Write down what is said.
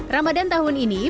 ramadhan tahun ini